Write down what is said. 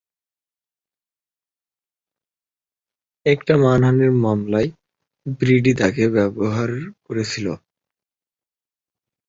একটা মানহানির মামলায় ব্র্যাডি তাকে সাহায্য করেছিল।